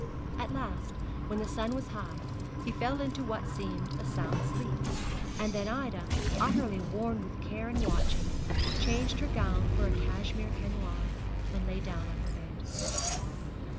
At last, when the sun was high, he fell into what seemed a sound sleep; and then Ida, utterly worn with care and watching, changed her gown for a cashmere peignoir, and lay down on her bed.